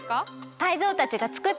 タイゾウたちがつくってくれてるの！